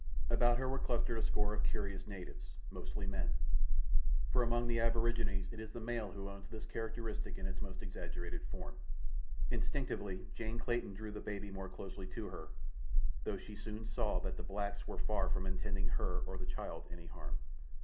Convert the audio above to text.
About her were clustered a score of curious natives—mostly men, for among the aborigines it is the male who owns this characteristic in its most exaggerated form. Instinctively Jane Clayton drew the baby more closely to her, though she soon saw that the blacks were far from intending her or the child any harm.